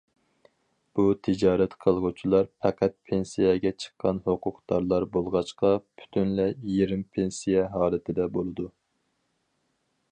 بۇ تىجارەت قىلغۇچىلار پەقەت پېنسىيەگە چىققان ھوقۇقدارلار بولغاچقا، پۈتۈنلەي يېرىم پېنسىيە ھالىتىدە بولىدۇ.